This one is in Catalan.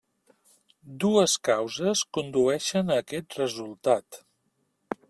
Dues causes condueixen a aquest resultat.